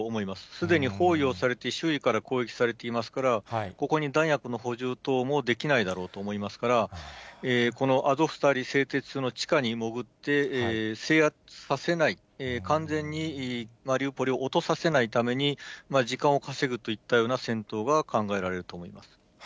すでに包囲をされて、周囲から攻撃されていますから、ここに弾薬の補充等もできないだろうと思いますから、このアゾフスタリ製鉄所の地下に潜って、制圧させない、完全にマリウポリを落とさせないために、時間を稼ぐといったような戦闘が考えられると思います。